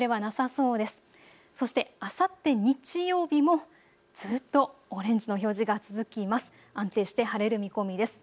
そして、あさって日曜日もずっとオレンジの表示が続きます。